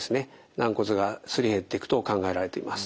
軟骨がすり減っていくと考えられています。